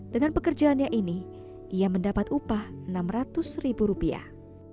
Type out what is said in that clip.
dengan pekerjaannya ini ia mendapat upah enam ratus ribu rupiah